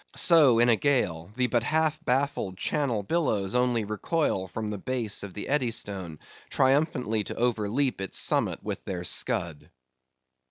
* So, in a gale, the but half baffled Channel billows only recoil from the base of the Eddystone, triumphantly to overleap its summit with their scud.